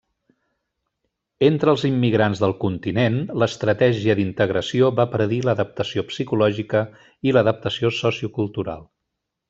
Entre els immigrants del continent, l’estratègia d’integració va predir l’adaptació psicològica i l’adaptació sociocultural.